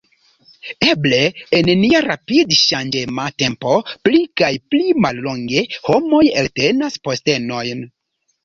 Eble en nia rapidŝanĝema tempo pli kaj pli mallonge homoj eltenas postenojn.